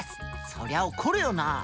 そりゃ怒るよな。